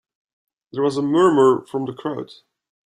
There was a murmur from the crowd.